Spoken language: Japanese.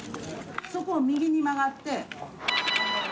そこを右に曲がって。